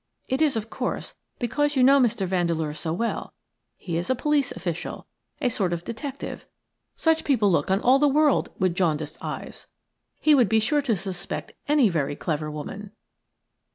It is, of course, because you know Mr. Vandeleur so well. He is a police official, a sort of detective – such people look on all the world with jaundiced eyes. He would be sure to suspect any very clever woman."